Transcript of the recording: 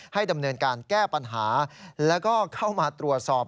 ดำเนินการแก้ปัญหาแล้วก็เข้ามาตรวจสอบ